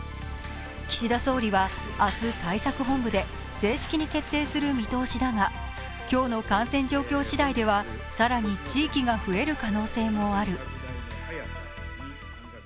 岸田総理は明日、対策本部で正式に決定する見通しだが今日の感染状況次第では更に地域が増える可能性もある。